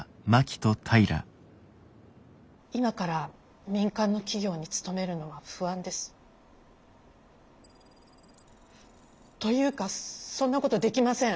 今から民間の企業に勤めるのは不安です。というかそんなことできません。